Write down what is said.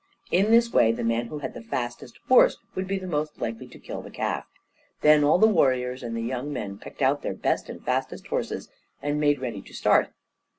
In this way, the man who had the fastest horse would be the most likely to kill the calf. Then all the warriors and the young men picked out their best and fastest horses, and made ready to start.